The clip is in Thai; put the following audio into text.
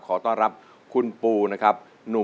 ขอต้อนรับคุณปูนะครับ